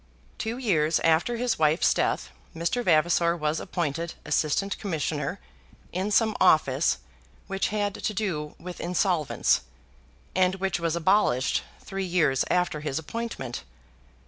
Two years after his wife's death Mr. Vavasor was appointed assistant commissioner in some office which had to do with insolvents, and which was abolished three years after his appointment.